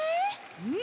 うん！